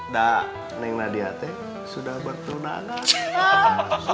dan neng nadia teh sudah bertunangan